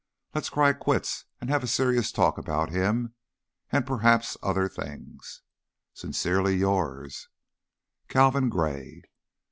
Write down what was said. Let's cry quits and have a serious talk about him and perhaps other things. Sincerely yours, CALVIN GRAY.